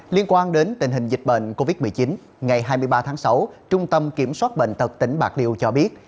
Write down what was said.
liên quan đến tình hình dịch bệnh covid một mươi chín ngày hai mươi ba tháng sáu trung tâm kiểm soát bệnh tật tỉnh bạc liêu cho biết